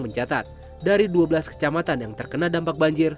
mencatat dari dua belas kecamatan yang terkena dampak banjir